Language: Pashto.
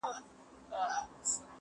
هر څه بې معنا ښکاري ډېر,